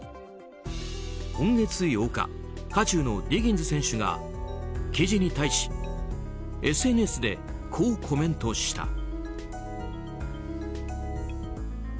今月８日渦中のディギンズ選手が記事に対しＳＮＳでこうコメントした。